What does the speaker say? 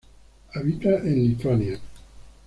Habita en Lituania.